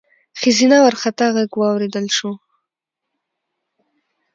ښځينه وارخطا غږ واورېدل شو: